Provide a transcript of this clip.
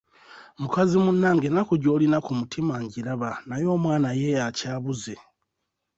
Mukazi munnange ennaku gy'olina ku mutima ngiraba naye omwana ye akyabuze.